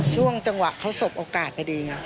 ช่วงจังหวะเขาสบโอกาสพอดีไง